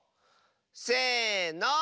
せの！